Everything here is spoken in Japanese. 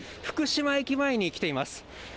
福島駅前に来ています